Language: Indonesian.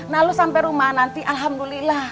nah lu sampe rumah nanti alhamdulillah